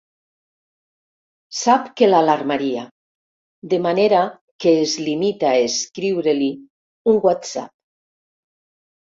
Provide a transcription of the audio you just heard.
Sap que l'alarmaria, de manera que es limita a escriure-li un whatsapp.